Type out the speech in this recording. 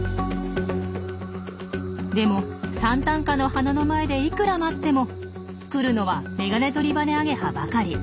でもサンタンカの花の前でいくら待っても来るのはメガネトリバネアゲハばかり。